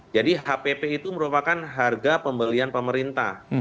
jadi hpp itu merupakan harga pembelian pemerintah